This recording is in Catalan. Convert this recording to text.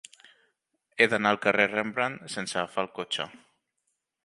He d'anar al carrer de Rembrandt sense agafar el cotxe.